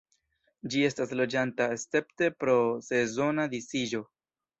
Ĝi estas loĝanta escepte pro sezona disiĝo.